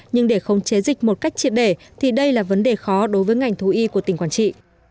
nhưng để khống chế dịch một cách triệt để thì đây là vấn đề khó đối với ngành thú y của tỉnh quảng trị